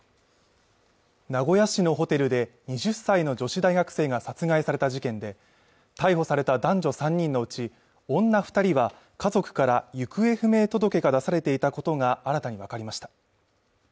名古屋市のホテルで２０歳の女子大学生が殺害された事件で逮捕された男女３人のうち女二人は家族から行方不明届が出されていたことが新たに分かりました